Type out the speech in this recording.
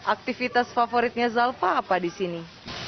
aktivitas favoritnya zalfa apa di sini